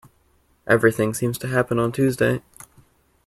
Everything seems to happen on Tuesday.